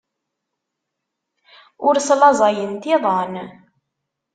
Ur slaẓayent iḍan.